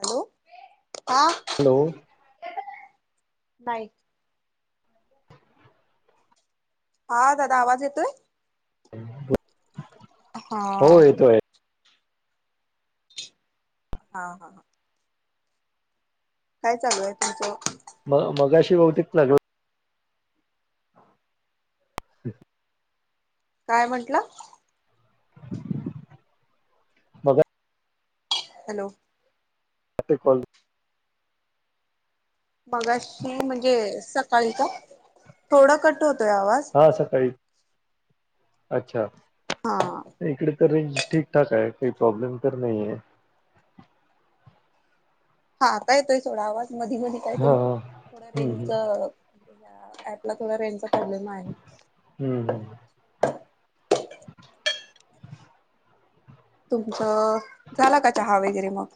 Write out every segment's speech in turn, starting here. Hello हा. Hello. नाही. हा दादा आवाज येतोय? हं बो हा. हा हा ह काय चालू आहे तुमचं मग मगाशी बहुतीिक लागल हां हम् काय म्हंटलं मग हॅलो स कॉल मगाशी म्हणजे सकाळी का थोडा कट होतोय आवाज हां सकाळी अच्छा हा इकडे तर रेंज ठीकठाक आहे काही प्रॉब्लेम तर नाही आहे हा आता येतोय थोडा आवाज मधी मधी हा काहीतरी थोड हम्म रेंच हम्म पला थोडा रेंजचा ठलेला आहे हम्म हम तुमचं झाला का चहा वगैरे मग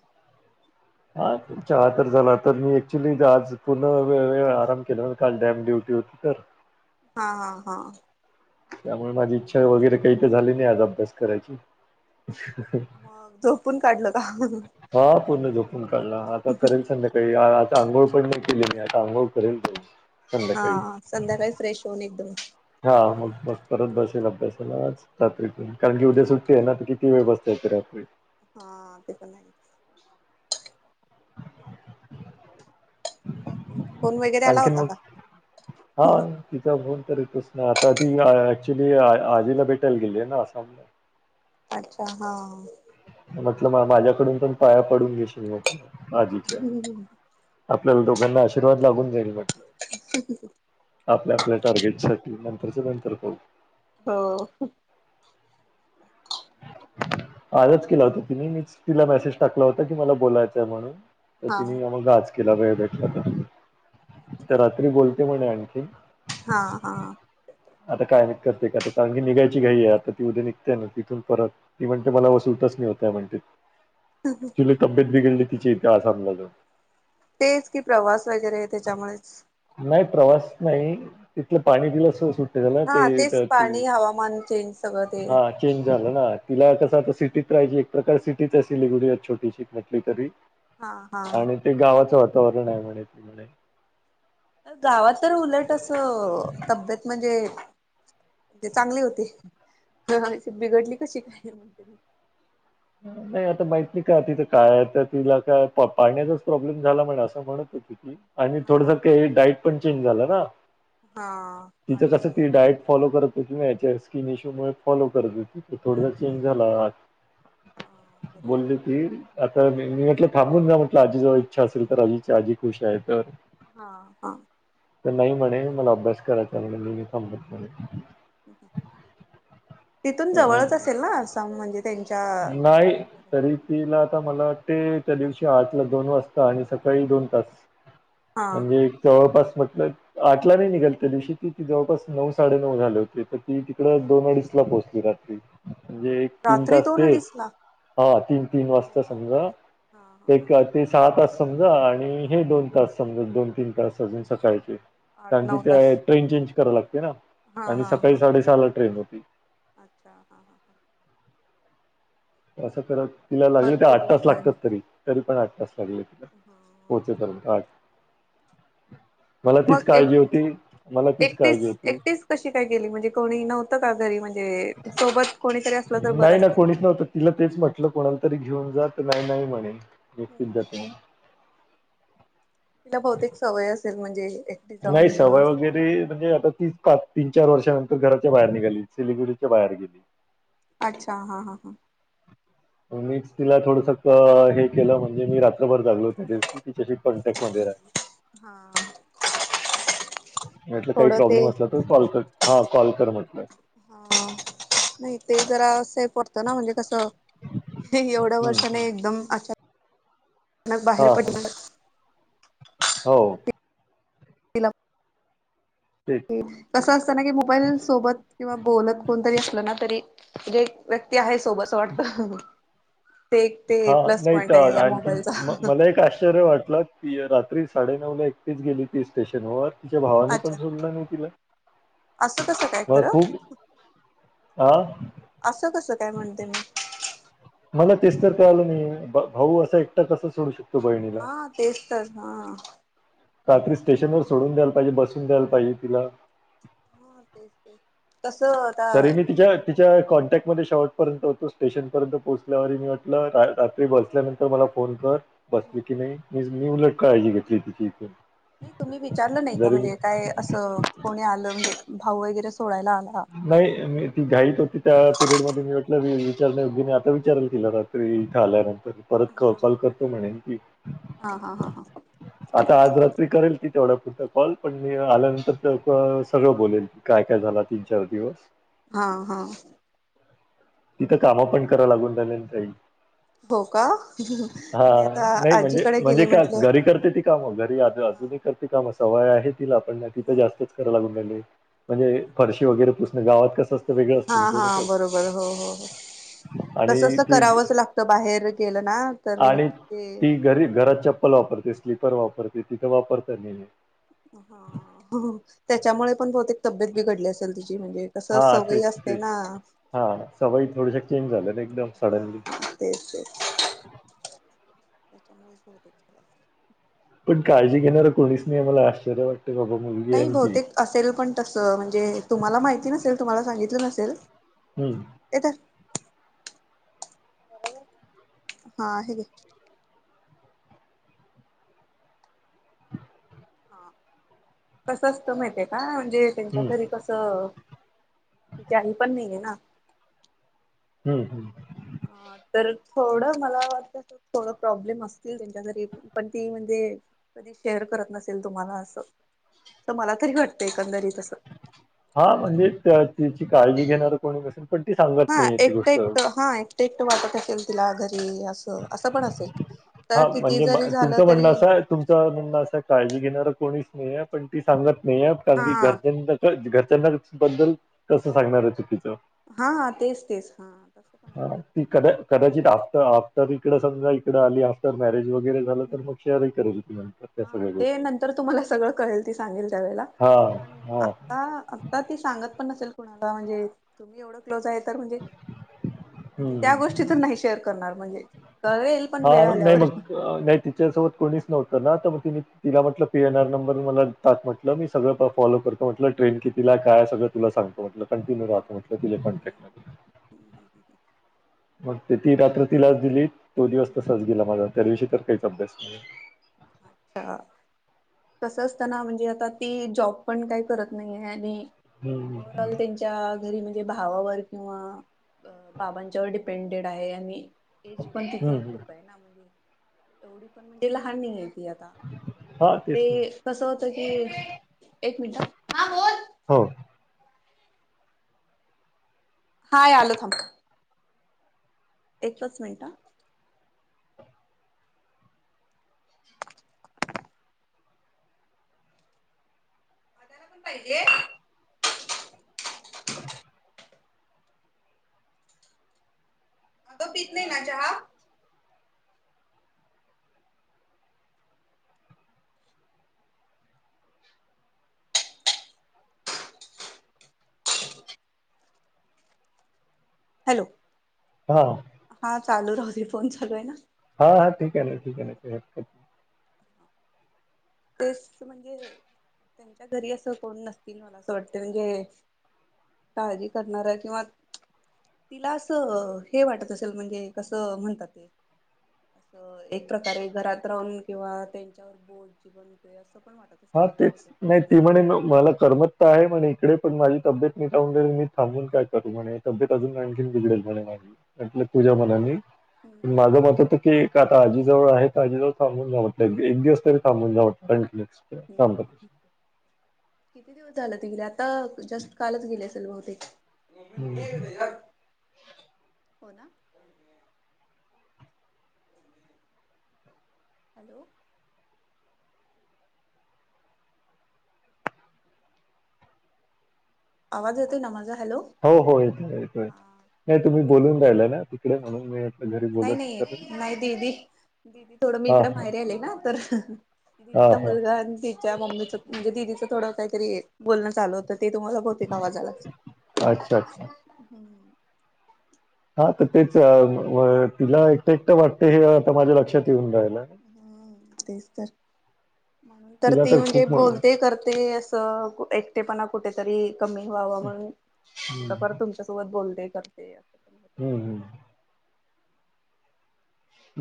हा चहा तर झाला तर मी ऍक्च्युली आज पूर्ण वेळ आराम केला काल डॅम ड्युटी होती तर हा हा हा त्यामुळे माझी इच्छा वगैरे काही झाली नाही आज अभ्यास करायची मगदो काढलं का हा पूर्ण झोपून काढला आता करेल सं न का आता अंघोळ पण नाही केली नाही आता अंघोळ करेल नाही हा संध्याकाळी फ्रेश होऊन एकदम हां, मग मग परत बसेल अभ्यासला रात्रीतून कारण की उद्या सुट्टी आहे ना तर किती वेळ बसते येते रात्री हा ते पण नाही बाकी फोन वगैरे आला आणखीन होता मग का हां, तिचा फोन तर येतच ना आता ती ऍक्च्युली आजीला भेटायला गेलीय ना आसामला अच्छा हा म्हटलं माझ्याकडून पण पाया पडून घेश ट आजीच्या आपल्याला दोघांना आशीर्वाद लागून जाईल म्हटलं [inaudible] आपल्या आपल्या टार्गेट साठी नंतरच नंतर पाू हो आजच केला होता तिने मीच तिला मेसेज टाकला होता की मला बोलायचंय म्हणून तर हा. तिने मग गाज केला पा त्या रात्री बोलते म्हणे आणखी हा हा आता काय निघतते काय कारण की निघायची काही आहे आता ती उद्या निघतेय ना तिथून परत ती म्हणते मला व सुलटच नाही होतय म्हणते ऍचुली तब्येत बिघडली तिचीे आसामलाजून तेच की प्रवास वगैरे आहे त्याच्यामुळेच नाही प्रवास नाही तिथलं पाणी दिलं स सुट ना ते हा तेच पाणी हवामान चेंज सगळं ते हा चेंज झालं ना तिला कसं आता सिटीत राहाय एक प्रकार सिटीच आहे सिललीगुडी छोटीशी म्हटली तरी हा हा आणि ते गावाचं वातावरण आहे म्हणे त म्हणे गावात तर उलट असं तब्येत म्हणजे ते चांगले होते बिघडली कशी काय म्हण नाही आता माहित नाही का तिथं काय आहे तिला काय पाण्याचाच प्रॉब्लेम झाला म्हण असं म्हणत आणि थोडस हा काही डाईट पण चेंज झालं ना. हा तिचं आणि कस ती डायट फॉलो करत होती ना याच्या स्किन इश्यू मु फॉलो करत होती. अच्छा थोडासा चेंज अच्छा झाला. हा बरोबर. बोलली. आता मी म्हटलं थांबून जा म्हटलं आजी जवळ इच्छा असेल तर आजीची आजी खुश आहे तर हा. तर नाही म्हणे मलाबच करा चले काम तिथून अरे जवळच असेल ना आम म्हणजे त्यांच्या नाही. तरी तिला आता मला ते त्या दिवशी आठला दोन वाजता आणि सकाळी दोन तास हा म्हणजे जवळपास म्हटलं. आठला नाही निघाल त्या दिवशी ती जवळपास नऊ साडेनऊ झाले होते तर ती तिकड दोन अडीच ला पोहोचली रात्री म्हणजे तीन राात्री तास त ते हा तीन तीन वाजता समजा बापरे हा हा हा एक ते सहा तास समजा आणि हे दोन तास समज दोन तीन तास अजून सकाळचे हा आठ कारण की नऊ तास ते ट्रेन चेंज कराव लागते ना हा आणि हा सकाळी हा साडेसहाला ट्रेन होती. अच्छा हां हां हां. असं करत तिला लागलं ते भरपूर आठ तास लांब आहे लागतात तरी तरी पण आठ तास लागले तिला हा पोहोचेपर्यंत आठ मला तीच मग एक काळजी होती मला तीच एकटीच काळजी होती. एकटीच कशी काय केली म्हणजे कोणी नव्हतं का घरी म्हणजे सोबत कोणीतरी असलं तर बरं नाही असतं ना. कोणीच नव्हतं. तिला तेच म्हटलं कोणाला तरी घेऊन जात नाही नाही म्हणे हम्म व्यक्तींच्या हम्म. त तिला बहुतेक सवय असेल म्हणजे नाही जाऊन किंवा सवय असं वगैरे म्हणजे आता ती तीन चार वर्षानंतर घराच्या बाहेर निघाली सिलगुडीच्या बाहेर गेली. अच्छा हा हां हां. मीच तिला थोडस हे केलं म्हणजे मी रात्रभर जागलो त्या दिवशी तिच्याशी कॉन्टॅक्टमध्येध्ये राहि हा मी म्हटलं काही थोडं ते प्रॉब्लेम असला कॉल कर हा कॉल कर म्हटलं. हा नाही ते जरा अस हे पडतं ना म्हणजे कसं? एवढ्या वर्ष नाही हम्म. एकदम अचा हा हा हो. तिला तेक कसं असतना की मोबाईल सोबत किंवा बोलत कोणतरी असलं ना तरी म्हे एक व्यक्ती आहे सोबत अस वाटत. हा नाही तर मोबाईलचा आणखी मला एक आश्चर्य वाटलं. ती रात्री साडेनऊ ला एकटीच गेली ती स्टेशन व. तिच्या भावानी पण अच्छा सोडलं नाही तिला असं कसं काय म खरं खूप. आह. असं कसं काय म्हणते मी. मला तेच तर कळलं नाही भाऊ असा एकटा कसं सोडू शकतो. बहिणीला हा तेच तरच हा. काही तरी स्टेनर सोडून द्यायला पाहिजे बसून द्यायला पाहिजे तिला होा तेच तेच. कसं,? तरी मी तिच्या. तिच्या कॉन्टॅक्टमध्ये शेवटपर्यंत होतो स्टेशनपर्यंत पोहोचल्यावर मी म्हटलं रात्री बसल्यानंतर. तर मला फोन कर बसली की नाही मी मी उलट काळजी घेतली तिची इथून नाही तुम्ही विचारलं नाही का जरी मी- म्हणजे काय असं कोणी आलं म्हणजे भाऊ वगैरे सोडायला आला नाही मी ती घाईत होती त्या पिरियड मध्ये मी म्हटलं विचारणे योग्यने आता विचाराला केलं रात्री इथं आल्यानंतर परत कहकल हा करतो म्हणेन की हा हा हा आता आज रात्री करेल ती तेवढ्या पुरत कॉल पण मी आल्यानंतर सगळं बोलेल ती. काय काय झाला तीन चार दिवस हा हा! तिथं कामं पण करा लागून झाल्यान काही. हो का हा नाही आता नाही म्हणजे आजीकडे म्हणजे गेले का म्हटलं घरी करते ती. काम घरी हा अजूनही करते काम सवय आहे तिला आपण तिथं जास्तच करा लाग. म्हणजे फरशी वगैरे पुसण गावात कसं. वेगळं हा असतं ना हा थोडंसं बरोबर हो हो हो. कसं अस आणि ती करावंच लागतं बाहेर गेलं ना तर ते लपरते स्लीपर वापरते तिथं वापरत नाहीेमी. ह त्याच्यामुळे पण बहुतेक तब्येत बिघडली अस तुी म्हणजे कस हां, सवय तेच, असते तेच. ना हां, सवयी थोड्याशा चेंज झाल्या ना एकदम सडनली. हा. ते. त्याच्यामुळेच बहुत इच्छा लागते. पण काळजी घेणारं कोणीच नाही आ मला आ्चर्य वाटतं बा बा. नाही बहुतेक असेल पण तसं म्हणजे तुम्हाला माहिती नसेल तुम्हाला सांगितलं नसेल. हम्म. येत. हा हेग. ह कस असतं माहिती आहे का म्हणजे त्यांच्या हं, घरी कसं तिच्याही पण नाहीये ना. हम्म हम्. हा तर थोडं मला वाटत. थोड प्रॉब्लेम असतील त्यांच्या तरी पण ती म्हणजे. कधी शेअर करत नसेल तुम्हाला असं तर मला तरी वाटतं एकंदरीतस. हा म्हणजे तिची काळजी घेणार कोणी बसून. हा एकटे एकट हा एकटे एकटं वाटत टाकेल तिला घरी असं असं पण असेल. तर हा किती म्हणजे जरी झालं तुमचं तरी म्हणणं असं आहे तुमचं म्हणणं असं आहे काळजी घेणारं कोणी नाही आहे पण ती सांगत नाहीये कारण हा की घरजन घरजना बद्दल कसं सांगणार आहे चुकीचं. हा तेच तेच हा तसं पण. आहे ती क कदाचित आफ्टर आफ्टर इकड समजा इकड आली आफ्टर मॅरेज वगैरे. झालं तर मग शेअरही करेल नंतर त्या सगळ्या गोष्टी. तर तुम्हाला सगळं कळेल ती सांगेल त्यावेेळेला हां, प हां. आ आता तेी सांगत पण नसेल कुणाला म्हणजे तुम्ही एवढं क्लोज आहे तर म्हणजे हं, म्हणजे त्या हं. गोष्टीच नाही शेअर करणार म्हणजे कळेल पण हा वेळ नाही आल्यावर. मग नाहीत तिच्यासोबत कोणीच नव्हतं ना तर मग ति तिला म्हटलं पी एन आर नंबर मला टाक म्हटलं मी सगळं फॉलो करतो. म्हटलं ट्रेन कितीला काय सगळं तुला सांगतो म्हटलं कंटिन्यू राहा म्हटलं तिच्या कॉन्टॅक्ट मध्ये मग ते ती रात्र तिलाच दिली तो दिवस तसाच गेला माझा त्या दिवशी तर काहीच अभ्यास नाही. अच्छा. तसं असताना म्हणजे आता ती जॉब पण काही करत नाही आहे आणि हम्म, ओवरऑल त्यांच्या त्या घरी म्हणजे भावावर किंवा बाबांच्या वर डिपेंडेड आहे आणि एज पण हम्म, तिचं हम्म. खूप आहे ना म्हणजे एवढी पण म्हणजे लहान नहीय. की आता हा मग तेच ते ना. कस होत की एक मिनट ह हा बोल.... हो... हाय आलो थांब... एकच मिनटं.... पाहिजेल.... [inaudible] हा तो पीत नाही ना चहा? हॅलो..... हा.... हा चालू राहुदे फोन चालू आहे ना.... हा हा ठीक आहे ना ठीक आहे ना हॅलो काही हरकत नाही.... हा. तेच म्हणजे त्यांच्या घरी असं कोण नसतील मला असं वाटत म्हणजे... काळजी करणार आहे किंवा... तिला असं हे वाटत असेल म्हणजे कसं म्हणतात ते... एक प्रकारे घरात राहून किंवा त्यांच्यावर बोल.... असं पण वाटत असेल हा तेच बहुतेक नाही ती हा.... म्हणे म- मला कर्मतता आहे म्हने इकडे पण माझी तब्येत निट नसेल तर मी थांबून काय करू म्हणे. तब्येत अजून आणखीन बिघडेल म्हणे माझ म्हटलं तूझ्या मनानी पण हम्म माझं मत आहे तु... की काका आजीजवळ आहेत आजीजवळ थांबून जा म्हटले एक ऐक दिवस तरी थांबून जा म्हटले... काय म्हणता... हम्म किती दिवस झालं ती गेलीय आता जस्ट कालच गेली असेल बहुतेक... हो ना. हॅलो.... आवाज येते ना माझा हॅलो.. हो हो येतोय येतोय हा. नाही तुम्ही बोलून राहिलाय ना तिकडे म्हणून मी म्हणलं घरी नाही बोलत तरी... नाही नाही दिदी दिदी थोडं मी इकडे माहेरी आले ना तर हां, दिदीचा हां. मुलगा आणि दिदी... मम्मीचं म्हणजे दिदीचं थोडं काहीतरी बोलण चालू होतं ते तुम्हाला बहुतेक आवाज आला.... अच्छा, अच्छा. हम्म हा तर अ म तेच तिला एकटं एकटं वाटते हे आता माझ्या लक्षात येऊन राहिला.... ह तेच तर म्हणून तर तिला ती म्हणजे खूप हं, बोलते करते अस... अ एकटेपणा कुठेतरी कमी व्हाव म्हण हं. थोडफार तुमच्यासाठी.. बोलते करते.... हम्म हम्....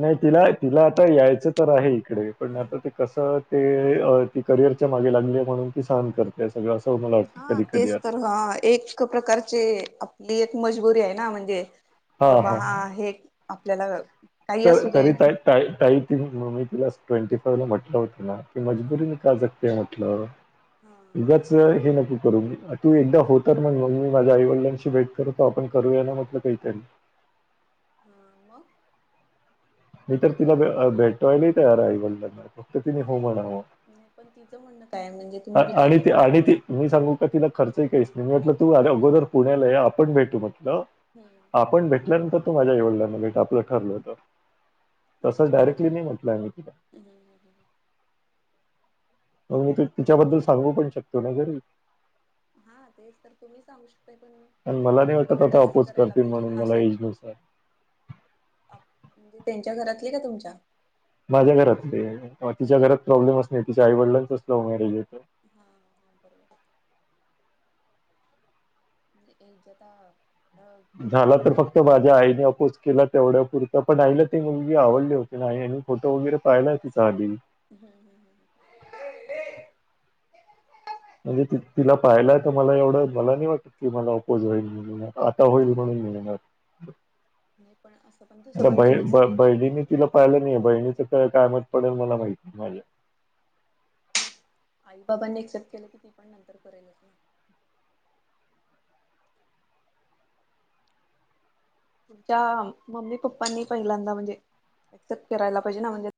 नाही तिला तिला आता यायचं तर आहे इकडे पण आता ते कसं.. ते अ ती करिअरच्या मागे लागली म्हणून ती सहन करते... ते सगळं असं होणार... हा तेच तर व्हा एक.... एक प्रकारचे आपली एक मजबुरी आहे ना म्हणजे कि हां, बाबा हा हां. हे.. आपल्याला... काही तर असू दे तरी ता त मी तिला ट्वेंटी फोर ला म्हटलं होत ना... हा मजबुरीने का जगतेय म्हटलं हा अच्छा उगच हे नको करू.. तू एकदा होत मग मग मी माझ्या आईवडलांशी भेट करत तो आपण करूया ना म्हटलं काहीतरी.... हम मग.... मी तर तिला भेटवायलाही तयार आवडलं फक्त तिने हो नाही म्हणावं... पण तिचं म्हणणं काय म्हणजे.... तुम्ही आणि ती विचारलं आणि ती.... मी सांगू का तिला खर्च काहीच नाही म्हटलं तू अगोदर पुण्याला आहे आपण भेटू म्हटलं... हम.... आपण भेटल्यानंतर तू माझ्या एवडिंना भेट आपलं ठरलं होत... तसं डायरेक्टली नाही म्हटलं मी तुला.... ह ह.. मग मी त पण तिच्याबद्दल आता सांगू पण शकतो ना जरी हा तेच तर तुम्ही सांगू शकताय पण मी पण मला नाही वाटत आता अपोज करतील म्हणून मला असं एज नुसार. म्हणजे त्यांच्या घरातली का तुमच्या माझ्या घरातले तिच्या घरात प्रॉब्लेमच नाही तिच्या आई वडलांच लव मॅरेज येतं. हां हां बरोबर. म्ह एक जता झाला तर फक्त माझ्या आईने अपोज केला तेवढ्या पुुरतं पण आईला ते मुलगी आवडली होती नाही आणि फोटो वगैरे पाहिला की तीचा आधी. हम्म ह म्हणजे तिला पाहियलाय तर मला एवढं मला नाही वाटत की मला अपोज होईल. आता होईल म्हणून मिळणार नाही पण असं पण तसं पण बहिणीनी तिला पाहिलं नाहीे बहिणीच काय कायमत पडेल मला माहिती माझ्या. आई बाबांनी एक्सेप्ट केलं तर ती पण नंतर करेलच ना. तुमच्या मम्मी पप्पांनी पहिल्यांदा म्हणजे ऍक्सेप्ट करायला पाहिजे ना म्हणजे